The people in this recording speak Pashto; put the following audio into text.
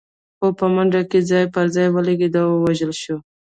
خو په منډه کې ځای پر ځای ولګېد او ووژل شو.